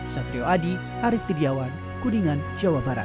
satrio adi arief tidiawan kuningan jawa barat